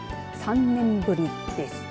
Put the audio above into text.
３年ぶりです。